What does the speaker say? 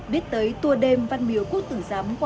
điết tới tour đêm văn miếu quốc tử giám